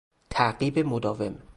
تعقیب مداوم